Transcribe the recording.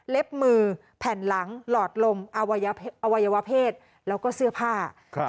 มือแผ่นหลังหลอดลมอวัยวะเพศแล้วก็เสื้อผ้า